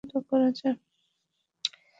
আরো অনেক সমস্যা আছে, স্যার।